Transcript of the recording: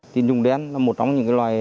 tín dụng đen là một trong những loài